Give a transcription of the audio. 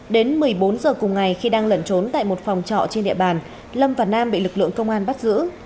đến một mươi bốn h cùng ngày khi đang lẩn trốn tại một phòng trọ trên địa bàn lâm và nam bị lực lượng công an bắt giữ